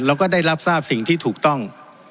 แล้วก็ได้รับทราบสิ่งที่ถูกต้อง